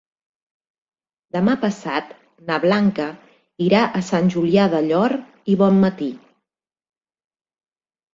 Demà passat na Blanca irà a Sant Julià del Llor i Bonmatí.